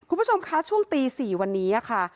คุณผู้ชมคะช่วงตี๔วันนี้ค่ะ